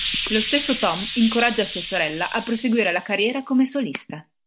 Lo stesso Tom incoraggia sua sorella a proseguire la carriera come solista.